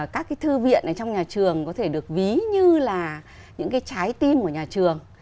các thư viện trong nhà trường có thể được ví như là những trái tim của nhà trường